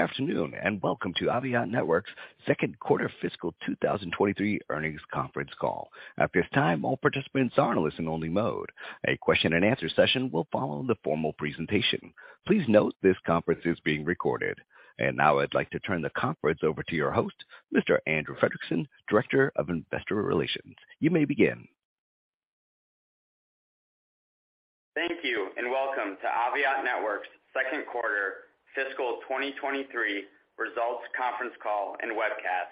Good afternoon, welcome to Aviat Networks second quarter fiscal 2023 earnings conference call. At this time, all participants are in listen only mode. A question and answer session will follow the formal presentation. Please note this conference is being recorded. Now I'd like to turn the conference over to your host, Mr. Andrew Fredrickson, Director of Investor Relations. You may begin. Thank you. Welcome to Aviat Networks second quarter fiscal 2023 results conference call and webcast.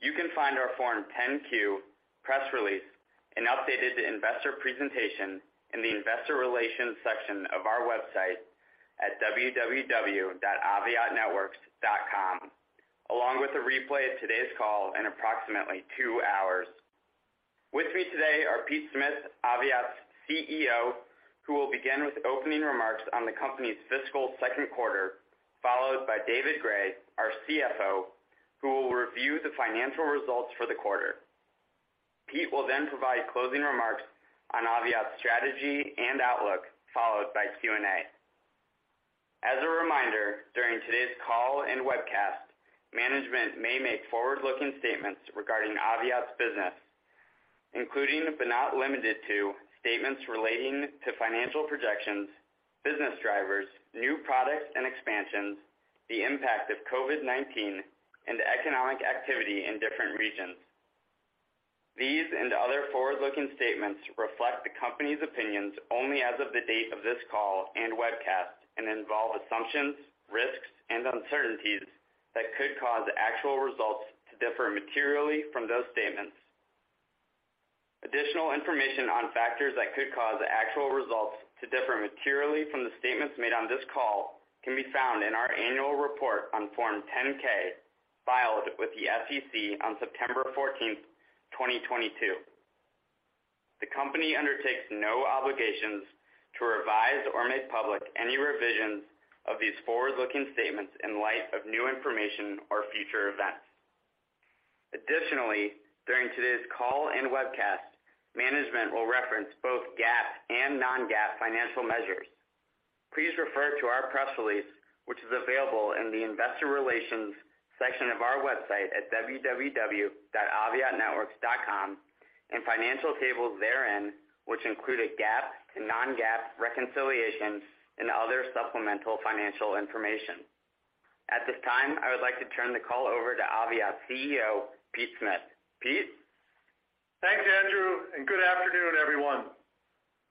You can find our Form 10-Q, press release and updated investor presentation in the investor relations section of our website at www.aviatnetworks.com, along with a replay of today's call in approximately two hours. With me today are Pete Smith, Aviat's CEO, who will begin with opening remarks on the company's fiscal second quarter, followed by David Gray, our CFO, who will review the financial results for the quarter. Pete will provide closing remarks on Aviat's strategy and outlook, followed by Q&A. As a reminder, during today's call and webcast, management may make forward-looking statements regarding Aviat's business, including but not limited to statements relating to financial projections, business drivers, new products and expansions, the impact of COVID-19 and economic activity in different regions. These and other forward-looking statements reflect the company's opinions only as of the date of this call and webcast and involve assumptions, risks, and uncertainties that could cause actual results to differ materially from those statements. Additional information on factors that could cause actual results to differ materially from the statements made on this call can be found in our annual report on Form 10-K filed with the SEC on September 14th, 2022. The company undertakes no obligations to revise or make public any revisions of these forward-looking statements in light of new information or future events. Additionally, during today's call and webcast, management will reference both GAAP and non-GAAP financial measures. Please refer to our press release, which is available in the investor relations section of our website at www.aviatnetworks.com, and financial tables therein, which include a GAAP and non-GAAP reconciliation and other supplemental financial information. At this time, I would like to turn the call over to Aviat CEO, Pete Smith. Pete? Thanks, Andrew. Good afternoon, everyone.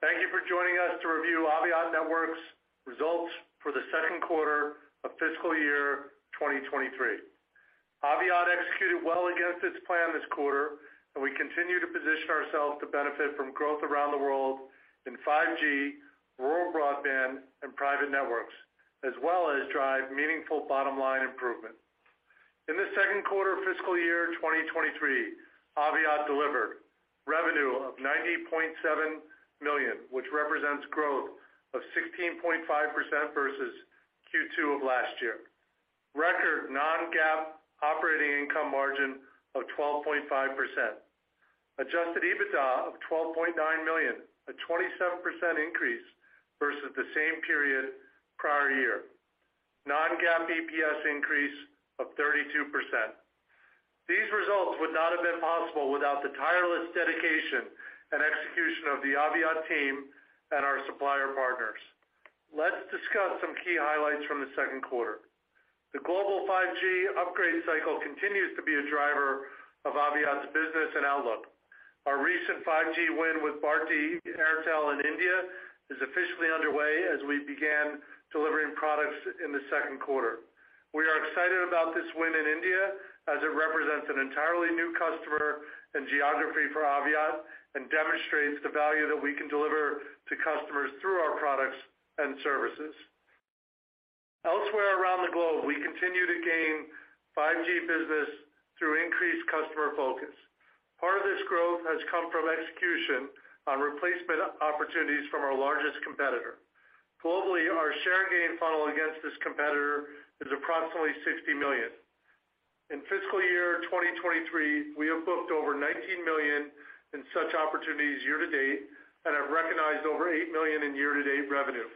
Thank you for joining us to review Aviat Networks results for the second quarter of fiscal year 2023. Aviat executed well against its plan this quarter. We continue to position ourselves to benefit from growth around the world in 5G, rural broadband, and private networks, as well as drive meaningful bottom-line improvement. In the second quarter of fiscal year 2023, Aviat delivered revenue of 90.7 million, which represents growth of 16.5% versus Q2 of last year. Record non-GAAP operating income margin of 12.5%. Adjusted EBITDA of 12.9 million, a 27% increase versus the same period prior year. Non-GAAP EPS increase of 32%. These results would not have been possible without the tireless dedication and execution of the Aviat team and our supplier partners. Let's discuss some key highlights from the second quarter. The global 5G upgrade cycle continues to be a driver of Aviat's business and outlook. Our recent 5G win with Bharti Airtel in India is officially underway as we began delivering products in the second quarter. We are excited about this win in India as it represents an entirely new customer and geography for Aviat and demonstrates the value that we can deliver to customers through our products and services. Elsewhere around the globe, we continue to gain 5G business through increased customer focus. Part of this growth has come from execution on replacement opportunities from our largest competitor. Globally, our share gain funnel against this competitor is approximately 60 million. In fiscal year 2023, we have booked over 19 million in such opportunities year to date and have recognized over 8 million in year-to-date revenue.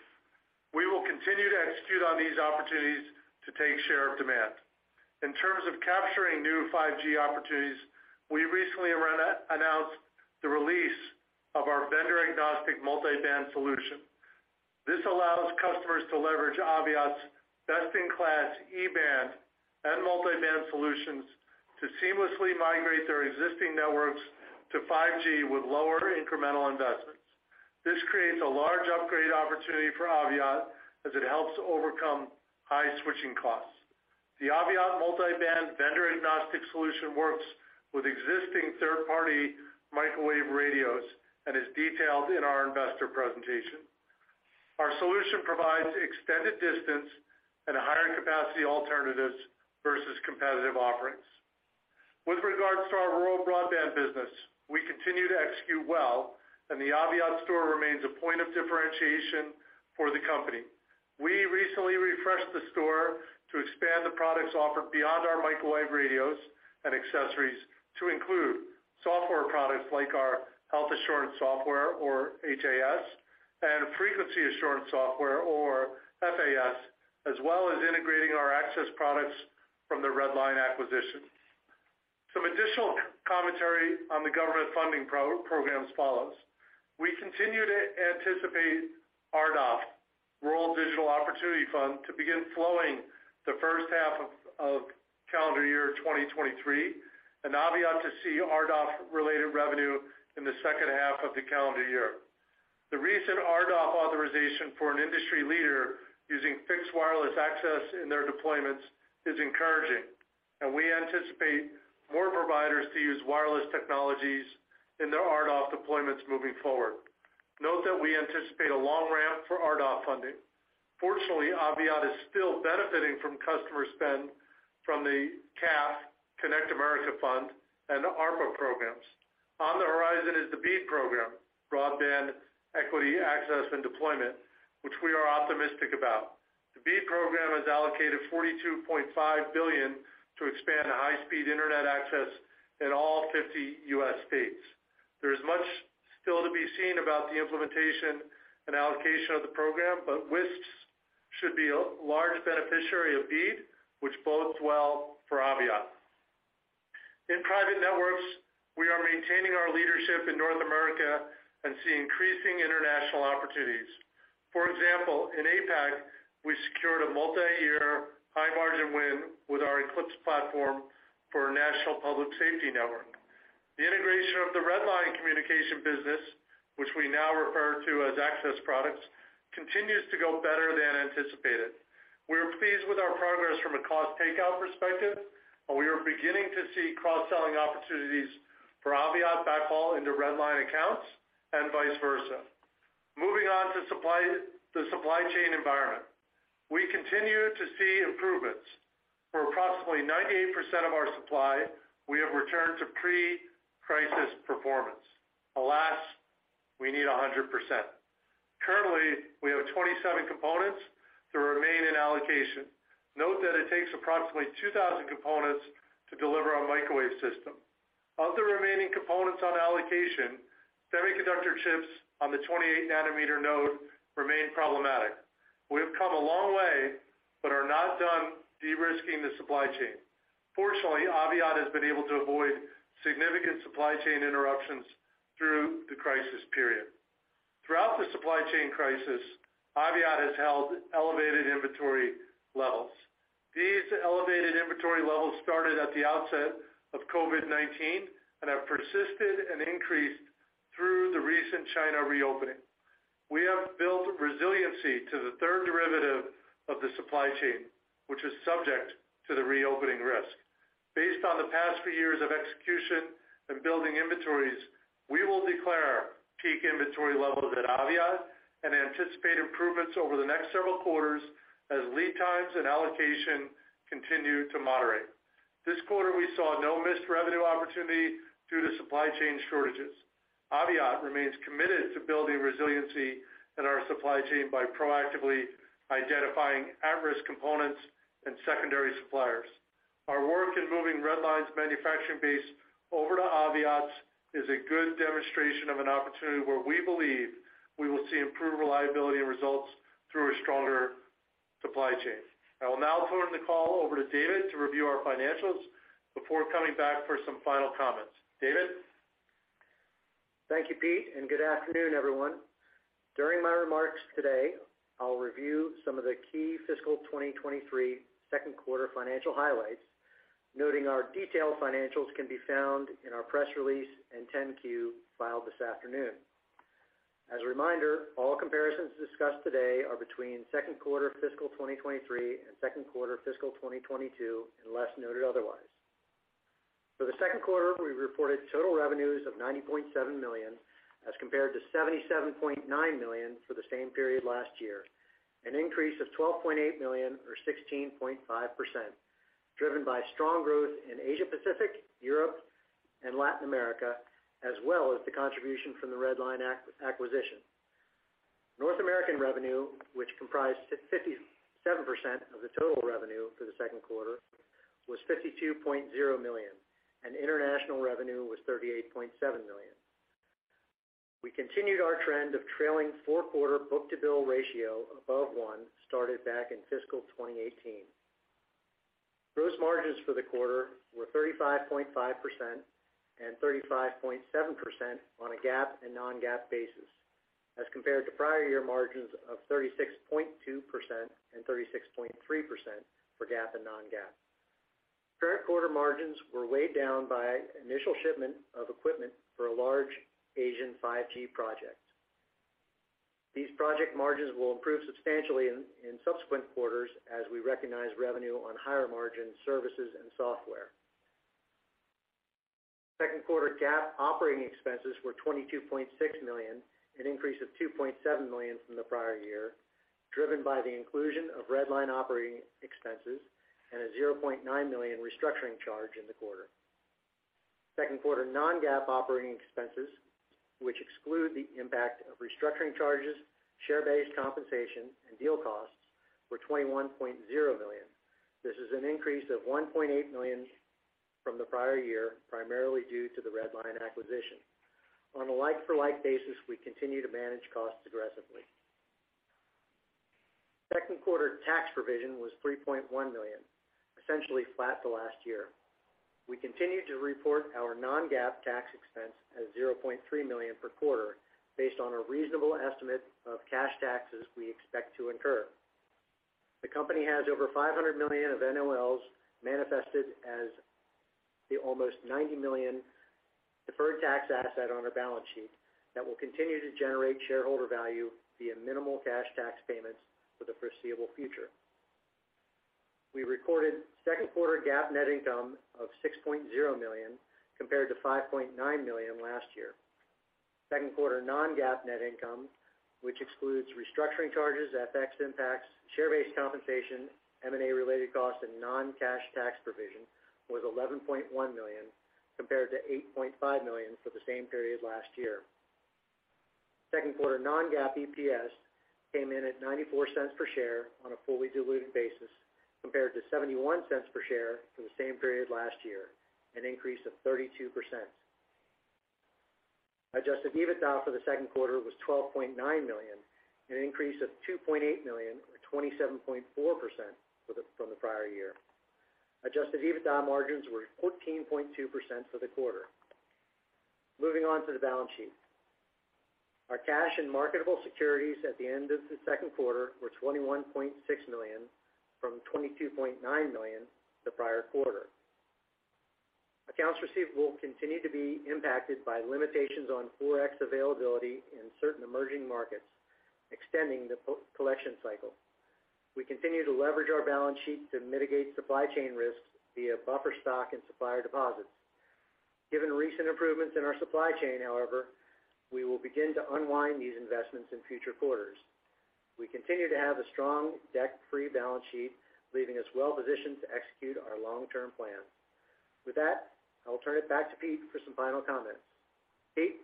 We will continue to execute on these opportunities to take share of demand. In terms of capturing new 5G opportunities, we recently announced the release of our vendor-agnostic Multi-Band solution. This allows customers to leverage Aviat's best-in-class E-band and Multi-Band solutions to seamlessly migrate their existing networks to 5G with lower incremental investments. This creates a large upgrade opportunity for Aviat as it helps overcome high switching costs. The Aviat Multi-Band vendor-agnostic solution works with existing third-party microwave radios and is detailed in our investor presentation. Our solution provides extended distance and higher capacity alternatives versus competitive offerings. With regards to our rural broadband business, we continue to execute well, and the Aviat Store remains a point of differentiation for the company. We recently refreshed the store to expand the products offered beyond our microwave radios and accessories to include software products like our Health Assurance Software or HAS and Frequency Assurance Software or FAS, as well as integrating our Access Products from the Redline acquisition. Some additional commentary on the government funding programs follows. We continue to anticipate RDOF, Rural Digital Opportunity Fund, to begin flowing the first half of calendar year 2023, and Aviat to see RDOF-related revenue in the second half of the calendar year. The recent RDOF authorization for an industry leader using Fixed Wireless Access in their deployments is encouraging, and we anticipate more providers to use wireless technologies in their RDOF deployments moving forward. Note that we anticipate a long ramp for RDOF funding. Fortunately, Aviat is still benefiting from customer spend from the CAF, Connect America Fund, and ARPA programs. On the horizon is the BEAD program, Broadband Equity, Access, and Deployment, which we are optimistic about. The BEAD program has allocated 42.5 billion to expand high-speed internet access in all 50 U.S. states. There is much still to be seen about the implementation and allocation of the program, but WISPs should be a large beneficiary of BEAD, which bodes well for Aviat. In private networks, we are maintaining our leadership in North America and see increasing international opportunities. For example, in APAC, we secured a multiyear high-margin win with our Eclipse platform for a national public safety network. The integration of the Redline Communications business, which we now refer to as Access Products, continues to go better than anticipated. We are pleased with our progress from a cost takeout perspective, and we are beginning to see cross-selling opportunities for Aviat backhaul into Redline accounts and vice versa. Moving on to supply, the supply chain environment. We continue to see improvements. For approximately 98% of our supply, we have returned to pre-crisis performance. Alas, we need 100%. Currently, we have 27 components that remain in allocation. Note that it takes approximately 2,000 components to deliver our microwave system. Of the remaining components on allocation, semiconductor chips on the 28 nm node remain problematic. We have come a long way, but are not done de-risking the supply chain. Fortunately, Aviat has been able to avoid significant supply chain interruptions through the crisis period. Throughout the supply chain crisis, Aviat has held elevated inventory levels. These elevated inventory levels started at the outset of COVID-19 and have persisted and increased through the recent China reopening. We have built resiliency to the third derivative of the supply chain, which is subject to the reopening risk. Based on the past few years of execution and building inventories, we will declare peak inventory levels at Aviat and anticipate improvements over the next several quarters as lead times and allocation continue to moderate. This quarter, we saw no missed revenue opportunity due to supply chain shortages. Aviat remains committed to building resiliency in our supply chain by proactively identifying at-risk components and secondary suppliers. Our work in moving Redline's manufacturing base over to Aviat's is a good demonstration of an opportunity where we believe we will see improved reliability and results through a stronger supply chain. I will now turn the call over to David to review our financials before coming back for some final comments. David? Thank you, Pete, and good afternoon, everyone. During my remarks today, I'll review some of the key fiscal 2023 second quarter financial highlights, noting our detailed financials can be found in our press release and Form 10-Q filed this afternoon. As a reminder, all comparisons discussed today are between second quarter fiscal 2023 and second quarter fiscal 2022, unless noted otherwise. For the second quarter, we reported total revenues of 90.7 million, as compared-77.9 million for the same period last year, an increase of 12.8 million or 16.5%, driven by strong growth in Asia Pacific, Europe, and Latin America, as well as the contribution from the Redline acquisition. North American revenue, which comprised 57% of the total revenue for the second quarter, was 52.0 million, and international revenue was 38.7 million. We continued our trend of trailing four-quarter book-to-bill ratio above one, started back in fiscal 2018. Gross margins for the quarter were 35.5% and 35.7% on a GAAP and non-GAAP basis, as compared to prior year margins of 36.2% and 36.3% for GAAP and non-GAAP. Current quarter margins were weighed down by initial shipment of equipment for a large Asian 5G project. These project margins will improve substantially in subsequent quarters as we recognize revenue on higher margin services and software. Second quarter GAAP operating expenses were 22.6 million, an increase of 2.7 million from the prior year, driven by the inclusion of Redline operating expenses and a 0.9 million restructuring charge in the quarter. Second quarter non-GAAP operating expenses, which exclude the impact of restructuring charges, share-based compensation, and deal costs, were 21.0 million. This is an increase of 1.8 million from the prior year, primarily due to the Redline acquisition. On a like-for-like basis, we continue to manage costs aggressively. Second quarter tax provision was 3.1 million, essentially flat to last year. We continue to report our non-GAAP tax expense as 0.3 million per quarter based on a reasonable estimate of cash taxes we expect to incur. The company has over 500 million of NOLs manifested as the almost 90 million deferred tax asset on our balance sheet that will continue to generate shareholder value via minimal cash tax payments for the foreseeable future. We recorded second quarter GAAP net income of 6.0 million compared to 5.9 million last year. Second quarter non-GAAP net income, which excludes restructuring charges, FX impacts, share-based compensation, M and A-related costs and non-cash tax provision, was 11.1 million compared to 8.5 million for the same period last year. Second quarter non-GAAP EPS came in at 0.94 per share on a fully diluted basis compared to 0.71 per share for the same period last year, an increase of 32%. Adjusted EBITDA for the second quarter was 12.9 million, an increase of 2.8 million or 27.4% from the prior year. Adjusted EBITDA margins were 14.2% for the quarter. Moving on to the balance sheet. Our cash and marketable securities at the end of the second quarter were 21.6 million from 22.9 million the prior quarter. Accounts receivable continued to be impacted by limitations on 4RF availability in certain emerging markets, extending the collection cycle. We continue to leverage our balance sheet to mitigate supply chain risks via buffer stock and supplier deposits. Given recent improvements in our supply chain, however, we will begin to unwind these investments in future quarters. We continue to have a strong debt-free balance sheet, leaving us well positioned to execute our long-term plan. With that, I'll turn it back to Pete for some final comments. Pete?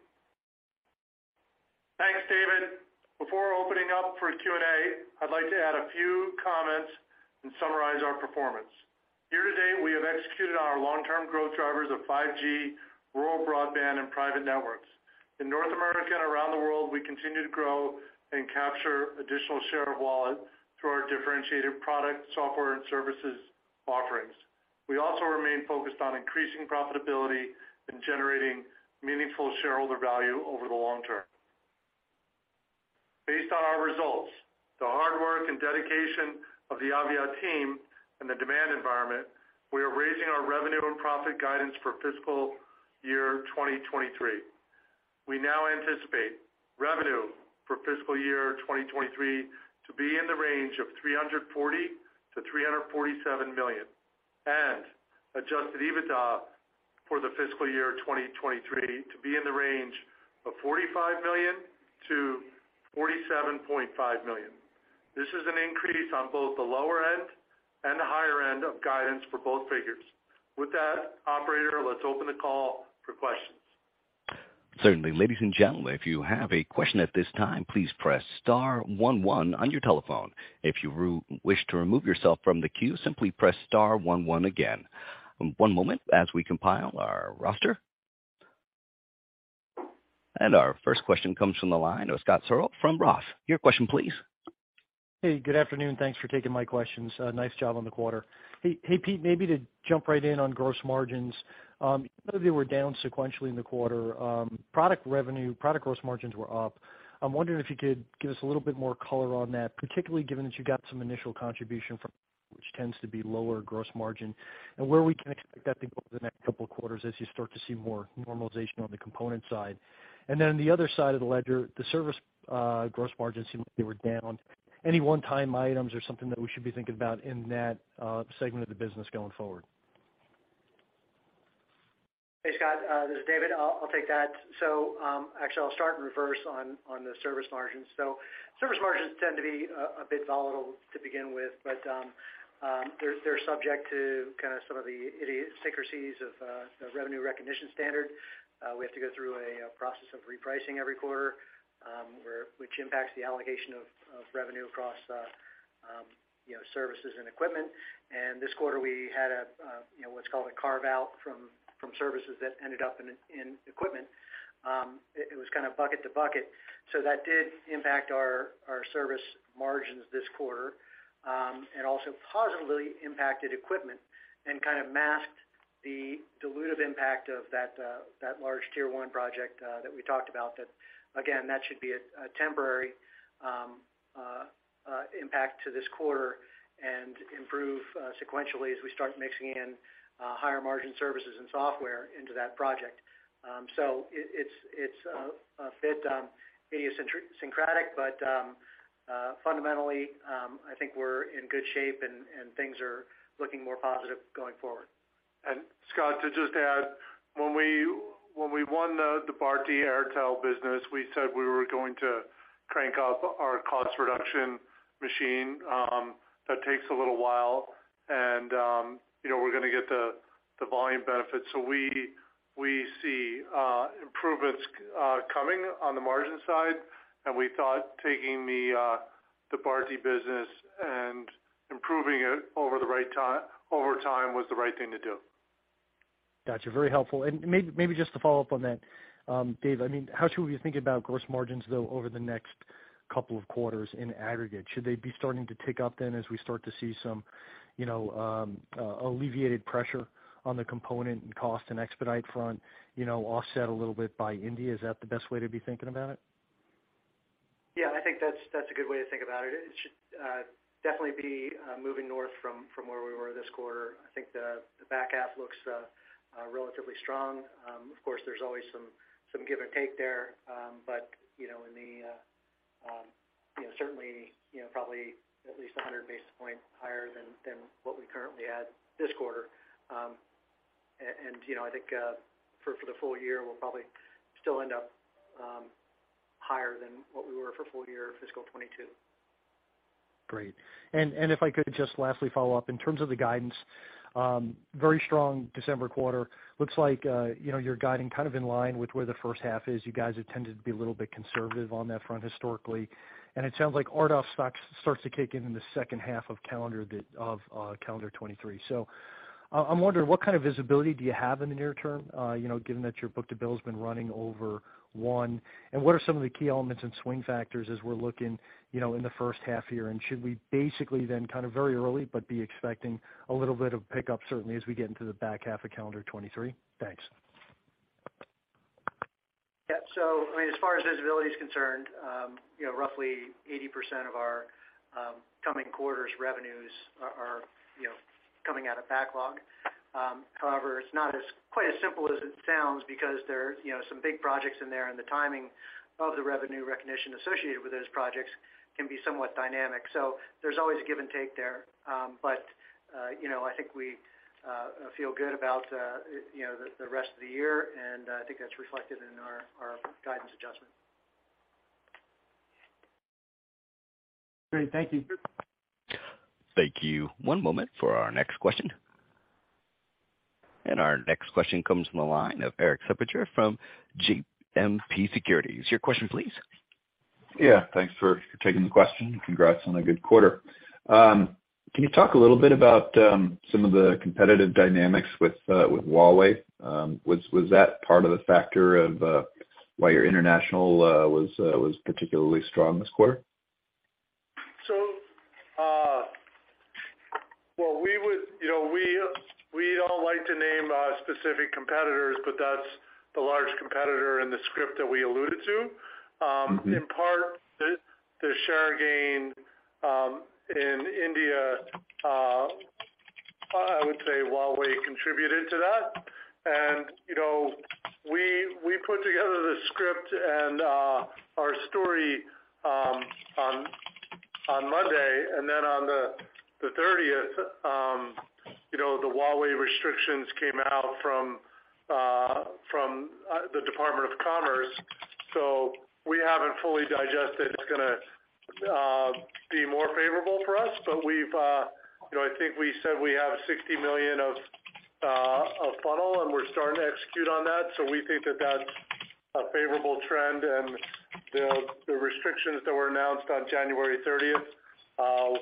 Thanks, David. Before opening up for Q&A, I'd like to add a few comments and summarize our performance. Year-to-date, we have executed on our long-term growth drivers of 5G, rural broadband and private networks. In North America and around the world, we continue to grow and capture additional share of wallet through our differentiated product, software and services offerings. We also remain focused on increasing profitability and generating meaningful shareholder value over the long term. Based on our results, the hard work and dedication of the Aviat team and the demand environment, we are raising our revenue and profit guidance for fiscal year 2023. We now anticipate revenue for fiscal year 2023 to be in the range of 340 million-347 million and adjusted EBITDA for the fiscal year 2023 to be in the range of 45 million-47.5 million. This is an increase on both the lower end and the higher end of guidance for both figures. With that, operator, let's open the call for questions. Certainly. Ladies and gentlemen, if you have a question at this time, please press star one one on your telephone. If you wish to remove yourself from the queue, simply press star one one again. One moment as we compile our roster. Our first question comes from the line of Scott Searle from ROTH. Your question, please. Hey, good afternoon. Thanks for taking my questions. Nice job on the quarter. Hey, Pete, maybe to jump right in on gross margins, even though they were down sequentially in the quarter, product revenue, product gross margins were up. I'm wondering if you could give us a little bit more color on that, particularly given that you got some initial contribution from which tends to be lower gross margin and where we can expect that to go over the next couple of quarters as you start to see more normalization on the component side. Then on the other side of the ledger, the service, gross margins seem like they were down. Any one-time items or something that we should be thinking about in that, segment of the business going forward? Hey, Scott, this is David. I'll take that. Actually, I'll start in reverse on the service margins. Service margins tend to be a bit volatile, to begin with, but they're subject to kind of some of the idiosyncrasies of the revenue recognition standard. We have to go through a process of repricing every quarter, which impacts the allocation of revenue across, you know, services and equipment. This quarter, we had a, you know, what's called a carve-out from services that ended up in equipment. It was kind of bucket to bucket. That did impact our service margins this quarter, and also positively impacted equipment and kind of masked the dilutive impact of that large tier one project that we talked about, that again, that should be a temporary impact to this quarter and improve sequentially as we start mixing in higher margin services and software into that project. It's a bit idiosyncratic, but fundamentally, I think we're in good shape and things are looking more positive going forward. Scott, to just add, when we won the Bharti Airtel business, we said we were going to crank up our cost reduction machine. That takes a little while and, you know, we're gonna get the volume benefits. We see improvements coming on the margin side, and we thought taking the NEC business and improving it over time was the right thing to do. Got you. Very helpful. Maybe just to follow up on that, Dave, I mean, how should we be thinking about gross margins though over the next couple of quarters in aggregate? Should they be starting to tick up then as we start to see some, you know, alleviated pressure on the component and cost and expedite front, you know, offset a little bit by India? Is that the best way to be thinking about it? Yeah, I think that's a good way to think about it. It should definitely be moving north from where we were this quarter. I think the back half looks relatively strong. Of course, there's always some give and take there. But, you know, in the, you know, certainly, you know, probably at least 100 basis points higher than what we currently had this quarter. You know, I think for the full year, we'll probably still end up higher than what we were for full year fiscal 2022. Great. If I could just lastly follow up, in terms of the guidance, very strong December quarter. Looks like, you know, you're guiding kind of in line with where the first half is. You guys have tended to be a little bit conservative on that front historically. It sounds like order stock starts to kick in in the second half of calendar 2023. I'm wondering, what kind of visibility do you have in the near term, you know, given that your book-to-bill has been running over one? What are some of the key elements and swing factors as we're looking, you know, in the first half year? Should we basically then kind of very early, but be expecting a little bit of pickup certainly as we get into the back half of calendar 2023? Thanks. I mean, as far as visibility is concerned, you know, roughly 80% of our coming quarters revenues are, you know, coming out of backlog. However, it's not quite as simple as it sounds because there are, you know, some big projects in there, and the timing of the revenue recognition associated with those projects can be somewhat dynamic. There's always give and take there. You know, I think we feel good about, you know, the rest of the year, and I think that's reflected in our guidance adjustment. Great. Thank you. Thank you. One moment for our next question. Our next question comes from the line of Erik Suppiger from JMP Securities. Your question, please. Thanks for taking the question. Congrats on a good quarter. Can you talk a little bit about some of the competitive dynamics with Huawei? Was that part of the factor of why your international was particularly strong this quarter? You know, we don't like to name specific competitors, but that's the large competitor in the script that we alluded to. Mm-hmm. In part, the share gain in India, I would say Huawei contributed to that. You know, we put together the script and our story on Monday, and then on the 30th, you know, the Huawei restrictions came out from the Department of Commerce. We haven't fully digested it's gonna be more favorable for us. We've, you know, I think we said we have 60 million of funnel, and we're starting to execute on that. We think that that's a favorable trend and the restrictions that were announced on January 30th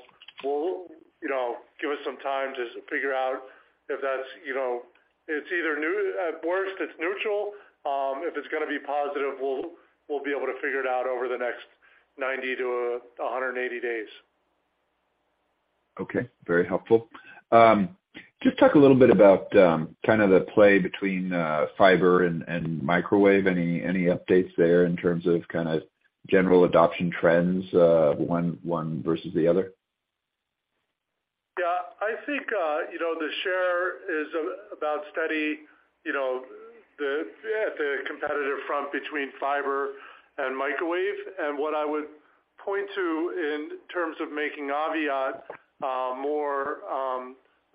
will, you know, give us some time to figure out if that's, you know, it's either at worst, it's neutral. If it's gonna be positive, we'll be able to figure it out over the next 90-180 days. Okay. Very helpful. Just talk a little bit about, kinda the play between fiber and microwave. Any, any updates there in terms of kinda general adoption trends, one versus the other? Yeah. I think, you know, the share is about steady, you know, at the competitive front between fiber and microwave. What I would point to in terms of making Aviat more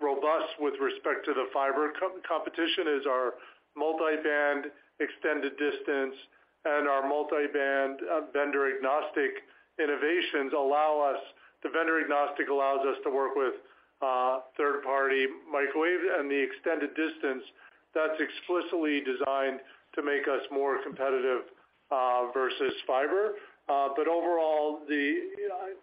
robust with respect to the fiber competition is our Multi-Band extended distance and our Multi-Band vendor-agnostic innovations allow us. The vendor-agnostic allows us to work with third-party microwave, and the extended distance that's explicitly designed to make us more competitive versus fiber. Overall,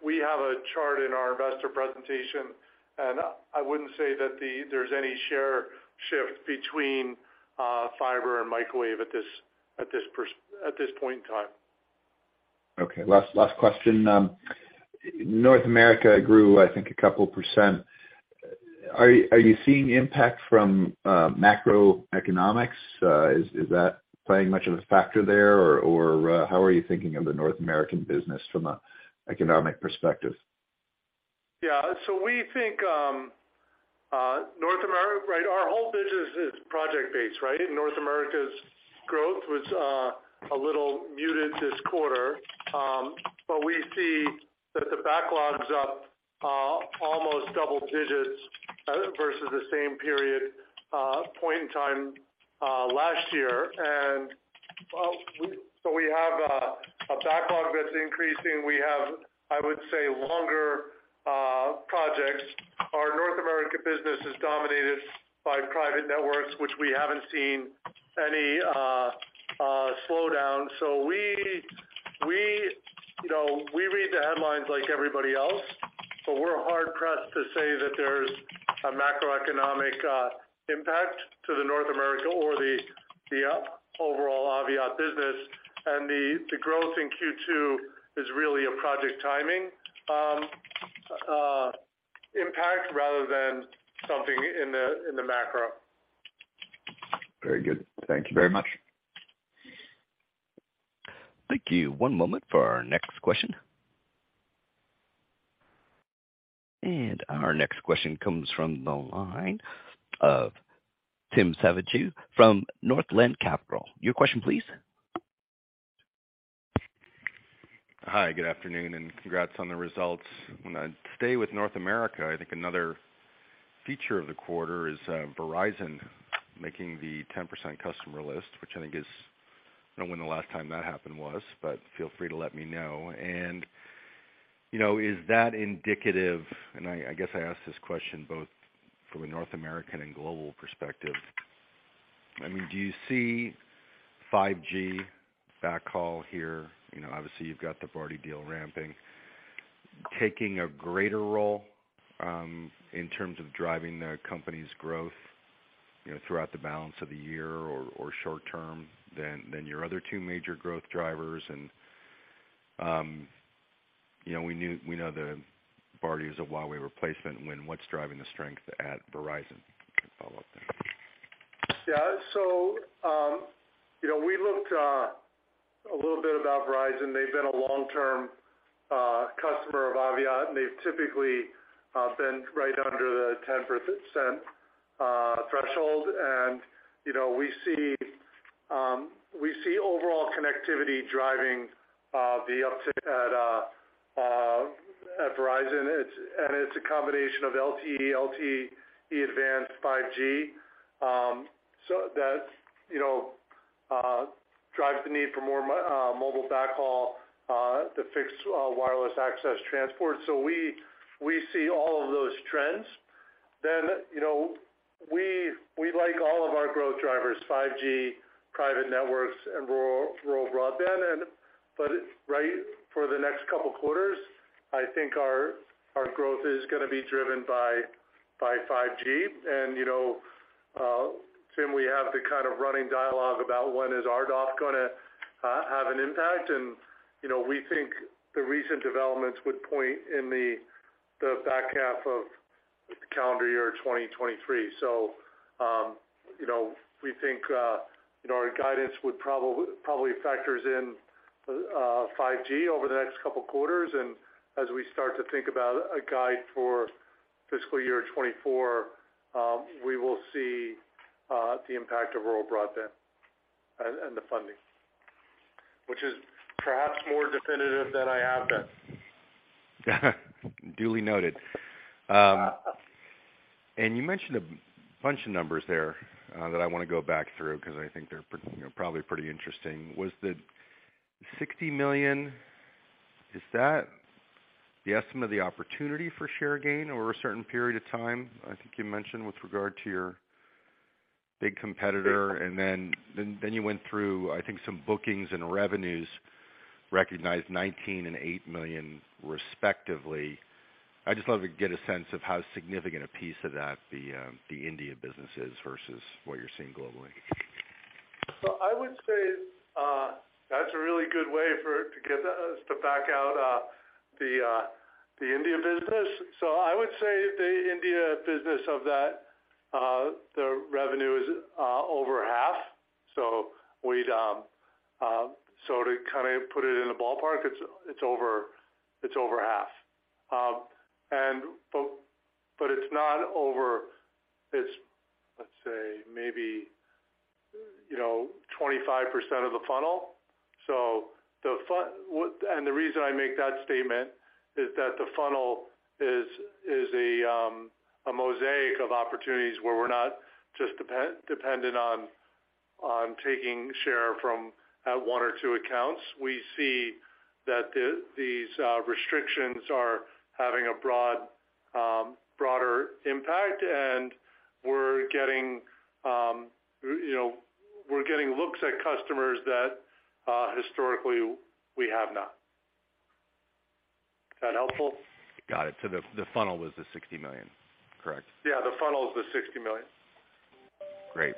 we have a chart in our investor presentation, and I wouldn't say that there's any share shift between fiber and microwave at this point in time. Okay. Last question. North America grew, I think, a couple percent. Are you seeing impact from macroeconomics? Is that playing much of a factor there? Or, how are you thinking of the North American business from an economic perspective? Yeah. We think North America. Right, our whole business is project-based, right? North America's growth was a little muted this quarter. But we see that the backlog's up almost double digits versus the same period, point in time, last year. We have a backlog that's increasing. We have, I would say, longer projects. Our North America business is dominated by private networks, which we haven't seen any slowdown. We, you know, we read the headlines like everybody else, but we're hard pressed to say that there's a macroeconomic impact to the North America or the overall Aviat business. The growth in Q2 is really a project timing impact rather than something in the macro. Very good. Thank you very much. Thank you. One moment for our next question. Our next question comes from the line of Tim Savageaux from Northland Capital. Your question, please. Hi, good afternoon, and congrats on the results. When I stay with North America, I think another feature of the quarter is Verizon making the 10% customer list, which I think is, I don't know when the last time that happened was, but feel free to let me know. You know, is that indicative, and I guess I ask this question both from a North American and global perspective. I mean, do you see 5G backhaul here, you know, obviously you've got the Bharti deal ramping, taking a greater role in terms of driving the company's growth, you know, throughout the balance of the year or short term than your other two major growth drivers? You know, we know the Bharti is a Huawei replacement. What's driving the strength at Verizon? Can follow up then. Yeah. You know, we looked a little bit about Verizon. They've been a long-term customer of Aviat, and they've typically been right under the 10% threshold. You know, we see overall connectivity driving the uptick at Verizon. It's a combination of LTE Advanced 5G, so that, you know, drives the need for more mobile backhaul to fix wireless access transport. We see all of those trends. You know, we like all of our growth drivers, 5G, private networks and rural broadband. But right, for the next couple of quarters, I think our growth is gonna be driven by 5G. You know, Tim, we have the kind of running dialogue about when is RDOF gonna have an impact. You know, we think the recent developments would point in the back half of calendar year 2023. You know, we think, you know, our guidance would probably factors in 5G over the next couple of quarters. As we start to think about a guide for fiscal year 2024, we will see the impact of rural broadband and the funding, which is perhaps more definitive than I have been. Duly noted. You mentioned a bunch of numbers there that I wanna go back through because I think they're you know, probably pretty interesting. Was the 60 million, is that the estimate of the opportunity for share gain over a certain period of time? I think you mentioned with regard to your big competitor, then you went through, I think, some bookings and revenues, recognized 19 million and 8 million respectively. I'd just love to get a sense of how significant a piece of that the India business is versus what you're seeing globally. I would say that's a really good way to get us to back out the India business. I would say the India business of that, the revenue is over half. To kinda put it in the ballpark, it's over half. But it's not over, let's say maybe, you know, 25% of the funnel. The reason I make that statement is that the funnel is a mosaic of opportunities where we're not just dependent on taking share from one or two accounts. We see that these restrictions are having a broad, broader impact. We're getting, you know, we're getting looks at customers that historically we have not. Is that helpful? Got it. The funnel was the 60 million, correct? Yeah, the funnel is the 60 million. Great.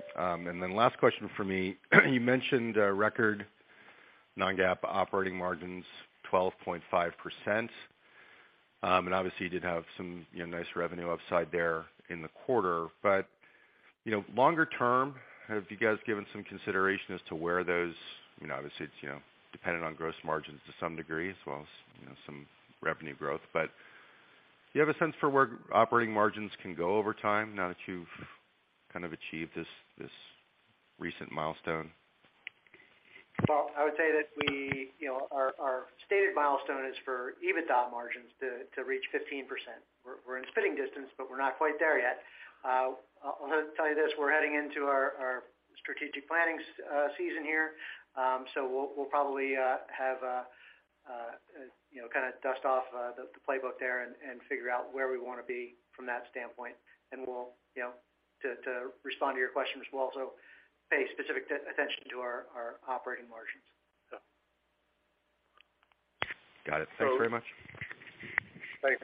Last question for me. You mentioned record non-GAAP operating margins, 12.5%. Obviously you did have some, you know, nice revenue upside there in the quarter. You know, longer term, have you guys given some consideration as to where those, you know, obviously it's, you know, dependent on gross margins to some degree, as well as, you know, some revenue growth. Do you have a sense for where operating margins can go over time now that you've kind of achieved this recent milestone? Well, I would say that we, you know, our stated milestone is for EBITDA margins to reach 15%. We're in spitting distance, but we're not quite there yet. I'll tell you this, we're heading into our strategic planning season here. We'll probably have, you know, kind of dust off the playbook there and figure out where we wanna be from that standpoint. We'll, you know, to respond to your question as well, pay specific attention to our operating margins. Got it. Thanks very much. Thanks.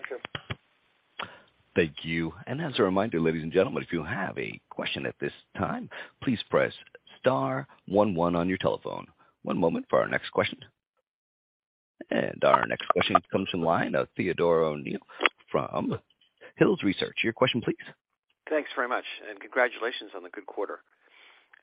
Thank you. As a reminder, ladies and gentlemen, if you have a question at this time, please press star 11 on your telephone. One moment for our next question. Our next question comes from line of Theodore O'Neill from Litchfield Hills Research. Your question please. Thanks very much. Congratulations on the good quarter.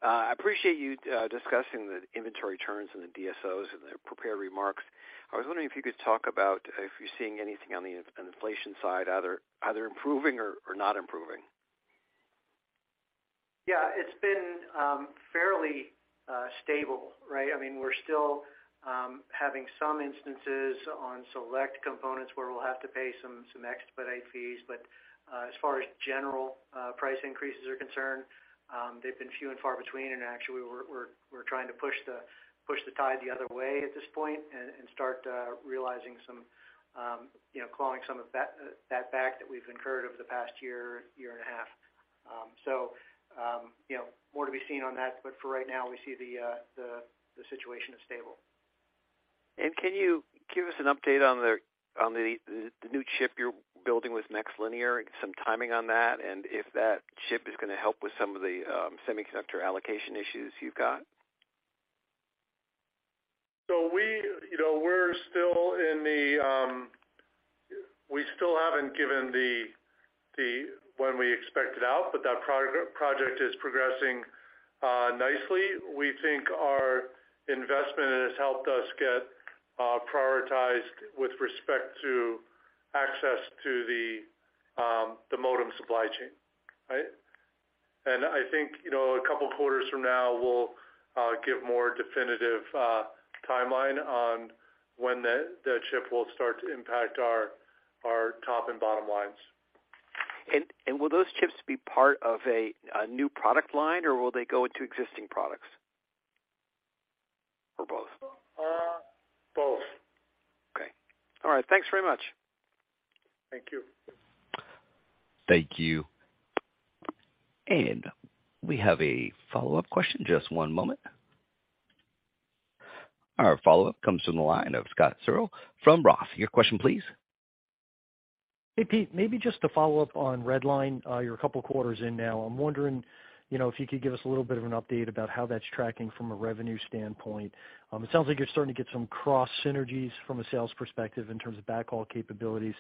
I appreciate you discussing the inventory turns and the DSOs in the prepared remarks. I was wondering if you could talk about if you're seeing anything on the inflation side either improving or not improving. Yeah, it's been fairly stable, right? I mean, we're still having some instances on select components where we'll have to pay some expedite fees. As far as general price increases are concerned, they've been few and far between. Actually we're trying to push the tide the other way at this point and start realizing some, you know, calling some of that back that we've incurred over the past year and a half. You know, more to be seen on that, but for right now we see the situation is stable. Can you give us an update on the, on the new chip you're building with MaxLinear, some timing on that, and if that chip is gonna help with some of the semiconductor allocation issues you've got? We, you know, we're still in the. We still haven't given the when we expect it out, but that project is progressing nicely. We think our investment has helped us get prioritized with respect to access to the modem supply chain, right? I think, you know, a couple quarters from now we'll give more definitive timeline on when the chip will start to impact our top and bottom lines. Will those chips be part of a new product line or will they go into existing products? Or both? Both. Okay. All right, thanks very much. Thank you. Thank you. We have a follow-up question. Just one moment. Our follow-up comes from the line of Scott Searle from ROTH. Your question please. Hey, Pete, maybe just to follow up on Redline, you're two quarters in now. I'm wondering, you know, if you could give us a little bit of an update about how that's tracking from a revenue standpoint. It sounds like you're starting to get some cross synergies from a sales perspective in terms of backhaul capabilities.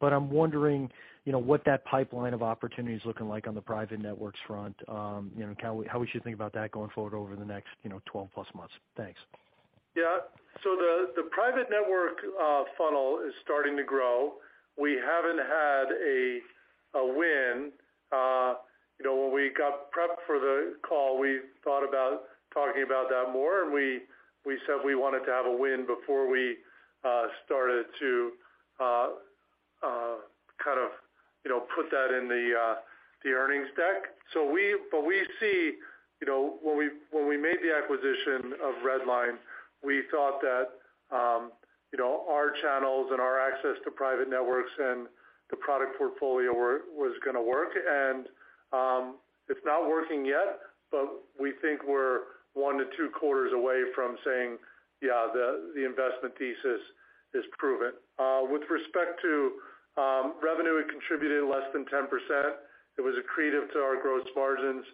But I'm wondering, you know, what that pipeline of opportunity is looking like on the private networks front, you know, kind of how we should think about that going forward over the next, you know, 12+ months. Thanks. The, the private network funnel is starting to grow. We haven't had a win. You know, when we got prepped for the call, we thought about talking about that more and we said we wanted to have a win before we started to kind of, you know, put that in the earnings deck. We see, you know, when we, when we made the acquisition of Redline, we thought that, you know, our channels and our access to private networks and the product portfolio was gonna work, and it's not working yet, but we think we're one to two quarters away from saying, yeah, the investment thesis is proven. With respect to revenue, it contributed less than 10%. It was accretive to our gross margins.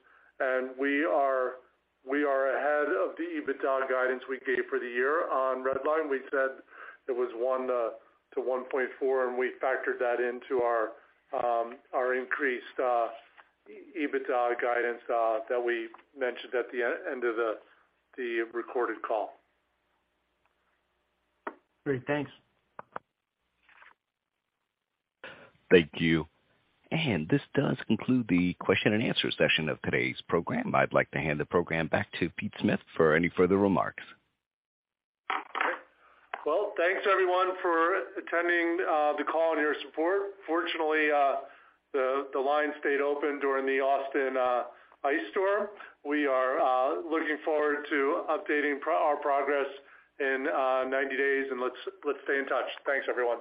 We are ahead of the EBITDA guidance we gave for the year on Redline. We said it was 1 million-1.4 million, and we factored that into our increased EBITDA guidance that we mentioned at the end of the recorded call. Great. Thanks. Thank you. This does conclude the question and answer session of today's program. I'd like to hand the program back to Pete Smith for any further remarks. Well, thanks everyone for attending the call and your support. Fortunately, the line stayed open during the Austin ice storm. We are looking forward to updating our progress in 90 days and let's stay in touch. Thanks, everyone.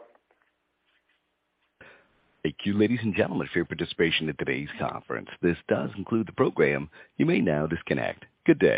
Thank you, ladies and gentlemen, for your participation in today's conference. This does conclude the program. You may now disconnect. Good day.